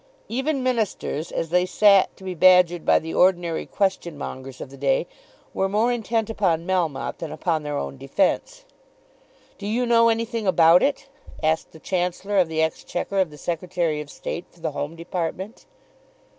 Even ministers as they sat to be badgered by the ordinary question mongers of the day were more intent upon Melmotte than upon their own defence. "Do you know anything about it?" asked the Chancellor of the Exchequer of the Secretary of State for the Home Department.